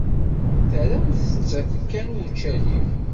Terramt-tt kan i ucali.